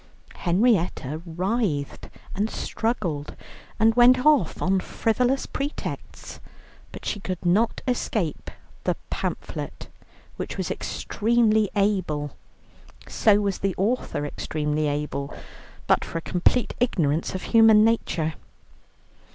Henrietta writhed and struggled, and went off on frivolous pretexts, but she could not escape the pamphlet, which was extremely able; so was the author extremely able, but for a complete ignorance of human nature.